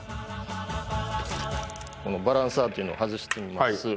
このバランサーっていうのを外してみます。